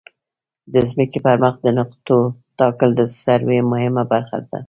د ځمکې پر مخ د نقطو ټاکل د سروې مهمه برخه ده